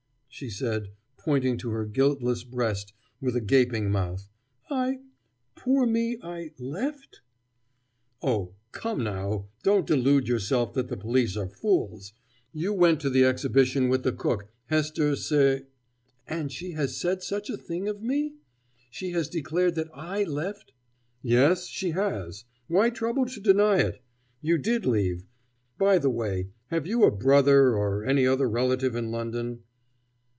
she said, pointing to her guiltless breast with a gaping mouth; "I, poor me, I left ?" "Oh, come now, don't delude yourself that the police are fools. You went to the Exhibition with the cook, Hester Se " "And she has said such a thing of me? She has declared that I left ?" "Yes, she has. Why trouble to deny it? You did leave By the way, have you a brother or any other relative in London